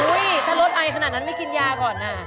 อุ้ยถ้ารถไอขนาดนั้นไม่กินยาก่อนอ่ะ